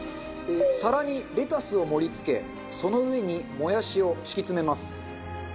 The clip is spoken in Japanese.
皿にレタスを盛り付けその上にもやしを敷き詰めます。